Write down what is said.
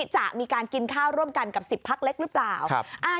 จะมีการกินข้าวร่วมกันกับ๑๐พักเล็กหรือเปล่า